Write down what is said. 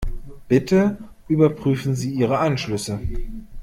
Bitte überprüfen Sie Ihre Anschlüsse.